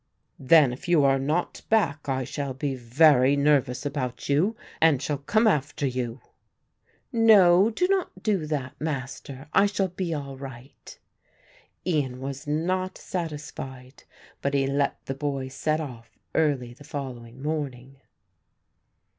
"Then if you are not back, I shall be very nervous about you and shall come after you." "No, do not do that, Master; I shall be all right." Ian was not satisfied, but he let the boy set off early the following morning.